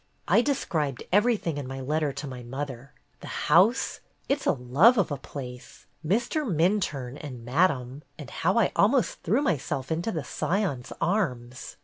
"I described everything in my letter to my mother, the house, — it's a love of a place, — Mr. Minturne and Madame, and how I almost threw myself into the Scion's arms.